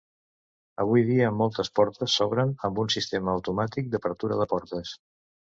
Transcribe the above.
Avui dia, moltes portes s'obren amb un sistema automàtic d'apertura de portes.